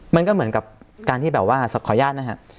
มันก็เหมือนกับการที่แบบว่าขออนุญาตนะฮะ